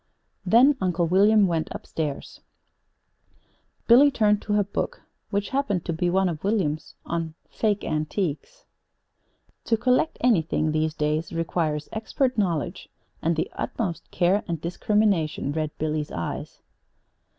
Then Uncle William went up stairs. Billy turned to her book, which happened to be one of William's on "Fake Antiques." "'To collect anything, these days, requires expert knowledge, and the utmost care and discrimination,'" read Billy's eyes.